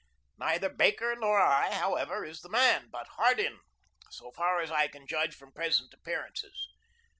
Neither Baker nor I, however, is the man, but Hardin, so far as I can judge from present appearances.